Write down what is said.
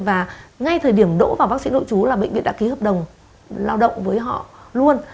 và ngay thời điểm đỗ vào bác sĩ nội chú là bệnh viện đã ký hợp đồng lao động với họ luôn